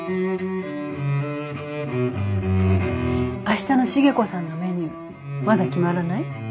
明日の重子さんのメニューまだ決まらない？